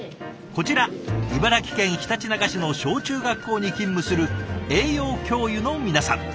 こちら茨城県ひたちなか市の小中学校に勤務する栄養教諭の皆さん。